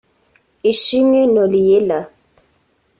Ishimwe Noriella